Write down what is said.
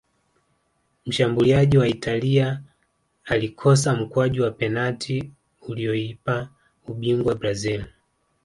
mshabuliaji wa italia alikosa mkwaju wa penati ulioipa ubingwa brazil